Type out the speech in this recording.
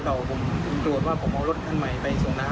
เต้าแก่ผู้หญิงแล้วเต้าแก่ผู้ชายก็ให้ผมเอารถคันใหม่ไปส่งน้ำ